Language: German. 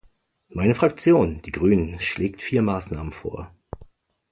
Meine Fraktion, die Grünen, schlägt vier Maßnahmen vor.